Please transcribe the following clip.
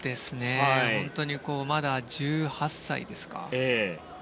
本当にまだ１８歳ですか。